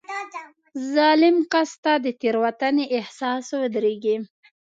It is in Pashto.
ظالم کس ته د تېروتنې احساس ودرېږي.